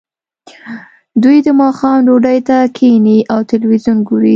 دوی د ماښام ډوډۍ ته کیښني او تلویزیون ګوري